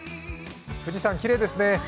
富士山、きれいですね。